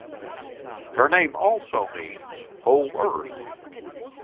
Her name also means "Whole Earth".